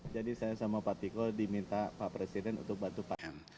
jadi saya sama pak tiko diminta pak presiden untuk bantu pak m